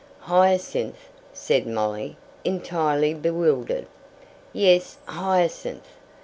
"Hyacinth!" said Molly, entirely bewildered. "Yes; Hyacinth!